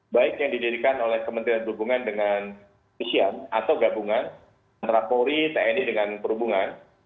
baik yang didirikan oleh kementerian perhubungan dengan visian atau gabungan rapori tni dengan perhubungan